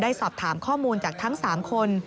ได้สอบถามข้อมูลจากทั้งสามคน